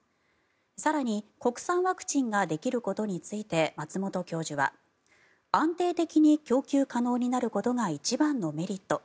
更に、国産ワクチンができることについて松本教授は安定的に供給可能になることが一番のメリット。